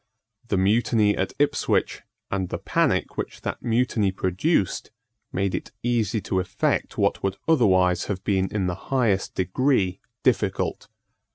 The mutiny at Ipswich, and the panic which that mutiny produced, made it easy to effect what would otherwise have been in the highest degree difficult.